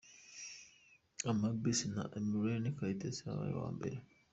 Amabilis na Emilienne Kayitesi wabaye uwa mbere.